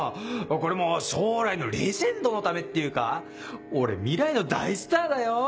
これも将来のレジェンドのためっていうか俺未来の大スターだよ！